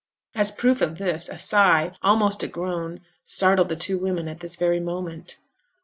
As a proof of this, a sigh almost a groan startled the two women at this very moment.